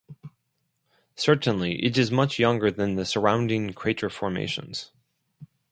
Certainly it is much younger than the surrounding crater formations.